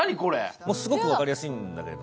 すごく分かりやすいんだけど。